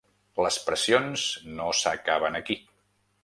Les pressions no s’acaben aquí.